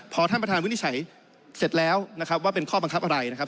พอท่านประธานวินิจฉัยเสร็จแล้วนะครับว่าเป็นข้อบังคับอะไรนะครับ